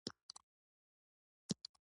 د جنګ او خپل سرنوشت په باره کې خوب ویني.